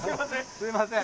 すみません。